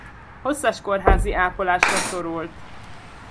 Hosszas kórházi ápolásra szorult.